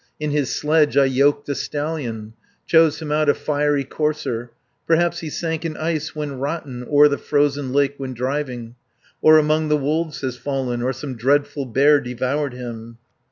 In his sledge I yoked a stallion, Chose him out a fiery courser. Perhaps he sank in ice when rotten, O'er the frozen lake when driving, 70 Or among the wolves has fallen, Or some dreadful bear devoured him."